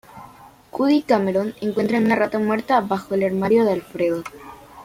Cuddy y Cameron encuentran una rata muerta bajo el armario de Alfredo.